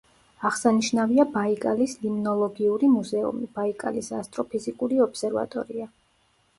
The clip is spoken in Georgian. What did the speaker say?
აღსანიშნავია ბაიკალის ლიმნოლოგიური მუზეუმი, ბაიკალის ასტროფიზიკური ობსერვატორია.